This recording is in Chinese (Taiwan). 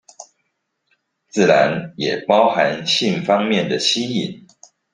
自然也包含性方面的吸引